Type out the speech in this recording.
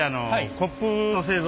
コップの製造。